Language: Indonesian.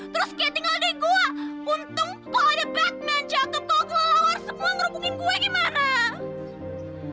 terus kayak tinggal di gua